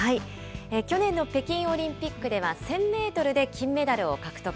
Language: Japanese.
去年の北京オリンピックでは、１０００メートルで金メダルを獲得。